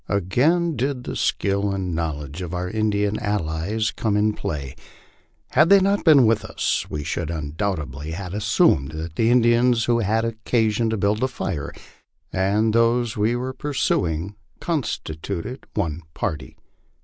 Again did the skill and knowledge of our Indian allies come in play. Had they not been with us we should undoubtedly have assumed that the Indians who had had occasion to build the fire and those we were pursuing constituted one party.